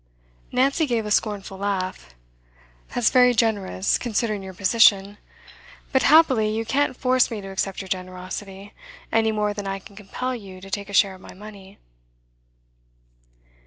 Nancy gave a scornful laugh. 'That's very generous, considering your position. But happily you can't force me to accept your generosity, any more than I can compel you to take a share of my money.